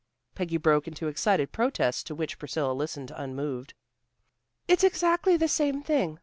Peggy broke into excited protests, to which Priscilla listened unmoved. "It's exactly the same thing.